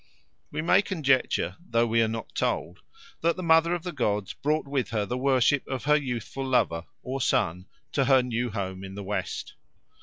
We may conjecture, though we are not told, that the Mother of the Gods brought with her the worship of her youthful lover or son to her new home in the West.